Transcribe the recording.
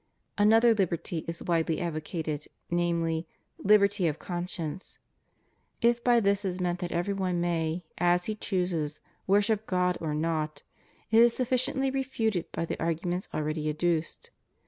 Another liberty is widely advocated, namel)^, liberty of conscience. If by this is meant that every one may, as he chooses, worship God or not, it is sufficiently refuted by the arguments already adduced.